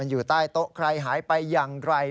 อยู่ใต้โต๊ะใครหายไปอย่างไร